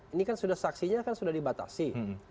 ini kan saksinya sudah dibatasi